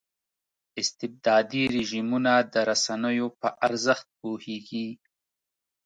استبدادي رژیمونه د رسنیو په ارزښت پوهېږي.